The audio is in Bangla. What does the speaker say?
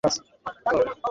তুমি কি পছন্দ কর?